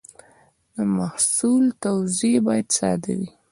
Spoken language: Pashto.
د محصول توضیح باید ساده وي.